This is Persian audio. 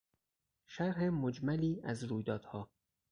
شرح مجملی از رویدادها